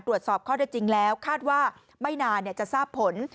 ตรวจสอบข้อได้จริงแล้วคาดว่าไม่นานจะทราบผล